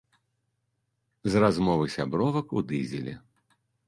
З размовы сябровак у дызелі.